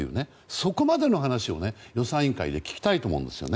そこまでの話をね予算委員会で聞きたいと思うんですね。